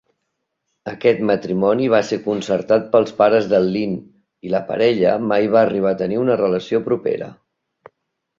Aquest matrimoni va ser concertat pels pares del Lin i la parella mai va arribar a tenir una relació propera.